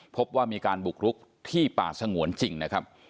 พบว่ามีการบุกรุกที่ป่าสงวนจริงนะครับ